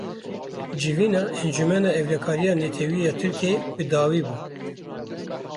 Civîna Encûmena Ewlekariya Netewî ya Tirkiyeyê bi dawî bû.